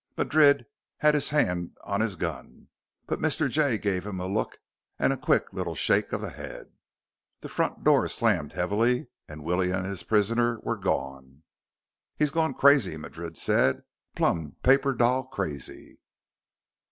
Madrid had his hand on his gun, but Mr. Jay gave him a look and a quick little shake of the head. The front door slammed heavily, and Willie and his prisoner were gone. "He's gone crazy!" Madrid said. "Plumb paper doll crazy!"